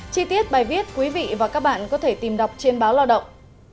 chi tiết bài viết quý vị và các bạn có thể tìm đọc trên báo lao động